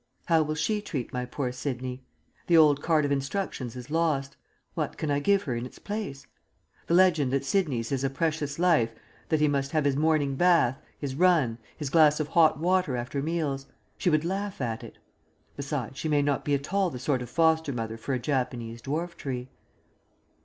How will she treat my poor Sidney? The old card of instructions is lost; what can I give her in its place? The legend that Sidney's is a precious life that he must have his morning bath, his run, his glass of hot water after meals! She would laugh at it. Besides, she may not be at all the sort of foster mother for a Japanese dwarf tree....